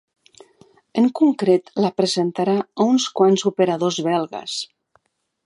En concret, la presentarà a uns quants operadors belgues.